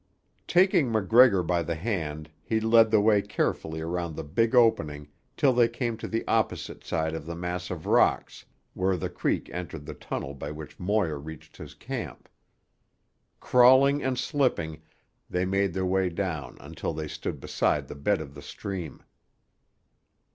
Taking MacGregor by the hand he led the way carefully around the big opening till they came to the opposite side of the mass of rocks, where the creek entered the tunnel by which Moir reached his camp. Crawling and slipping, they made their way down until they stood beside the bed of the stream.